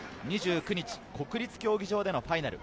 ２９日、国立競技場でのファイナル。